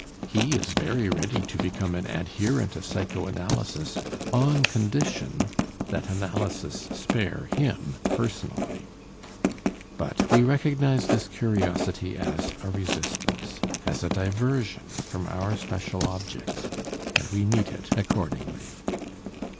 He is very ready to become an adherent of psychoanalysis on condition that analysis spare him personally. But we recognize this curiosity as a resistance, as a diversion from our special objects, and we meet it accordingly.